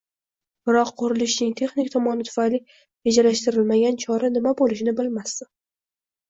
Biroq, "qurilishning texnik tomoni tufayli rejalashtirilmagan chora" nima bo'lishini bilmasdim